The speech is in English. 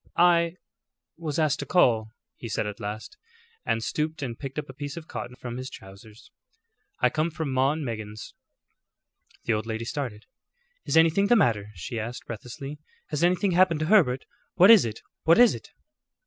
"I was asked to call," he said at last, and stooped and picked a piece of cotton from his trousers. "I come from 'Maw and Meggins.'" The old lady started. "Is anything the matter?" she asked, breathlessly. "Has anything happened to Herbert? What is it? What is it?"